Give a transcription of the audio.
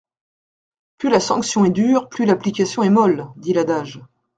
Plus la sanction est dure, plus l’application est molle, dit l’adage.